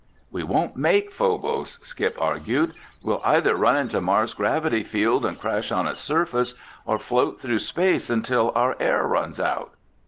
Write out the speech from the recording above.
"We won't make Phobos," Skip argued. "We'll either run into Mars' gravity field and crash on its surface or float through space until our air runs out."